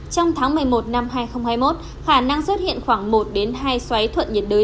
trong tháng một mươi một năm hai nghìn hai mươi một khả năng xuất hiện khoảng một đến hai xoáy thuận nhiệt đới